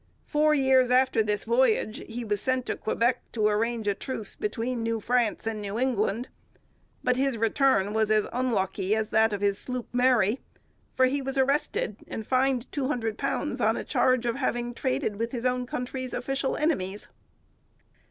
Four years after this voyage he was sent to Quebec to arrange a truce between New France and New England. But his return was as unlucky as that of his sloop Mary, for he was arrested and fined £200 on a charge of having traded with his own country's official enemies.